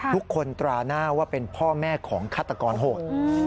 ตราหน้าว่าเป็นพ่อแม่ของฆาตกรโหด